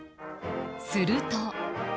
すると。